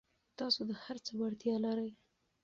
تاسو د هر څه وړتیا لرئ.